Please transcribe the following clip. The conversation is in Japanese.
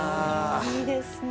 いいですね。